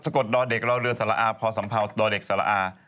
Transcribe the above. กดดอเด็กรอเรือสารอาพอสัมเภาดอเด็กสละอา